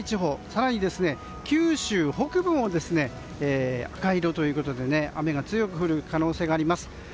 更に九州北部も赤色ということで雨が強く降る恐れがあります。